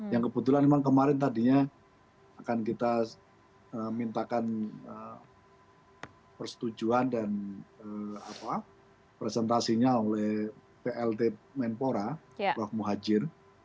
yang kebetulan memang kemarin tadinya akan kita mintakan persetujuan dan presentasinya oleh plt menpora roh muhajir